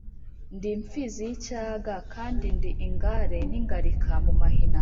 Ndi imfizi y’icyaga kandi ndi ingare n’ingalika mu mahina,